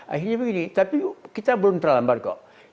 akhirnya begini tapi kita belum terlambat kok